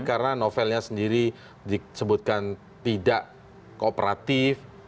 karena novelnya sendiri disebutkan tidak kooperatif